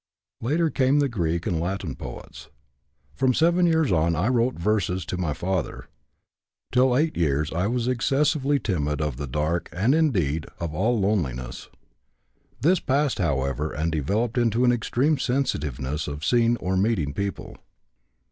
Later came the Greek and Latin poets. From 7 years on I wrote verses to my father. Till 8 years I was excessively timid of the dark and, indeed, of all loneliness. This passed, however, and developed into an extreme sensitiveness of seeing or meeting people.